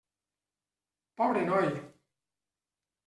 Pobre noi!